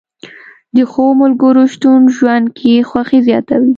د ښو ملګرو شتون ژوند کې خوښي زیاتوي